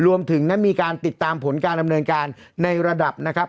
รวมถึงนั้นมีการติดตามผลการดำเนินการในระดับนะครับ